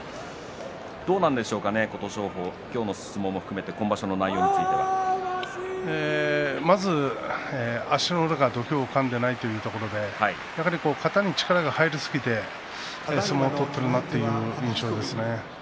どうですか、今日の相撲を含めて今場所の内容については。まず足の裏が土俵をかんでいないということで肩に力が入りすぎて相撲を取っているなという印象ですね。